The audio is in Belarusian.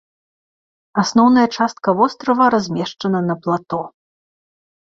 Асноўная частка вострава размешчана на плато.